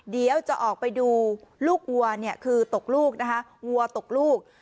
เดี๋ยวจะออกไปดูลูกวัวเนี่ยคือตกลูกนะคะวัวตกลูก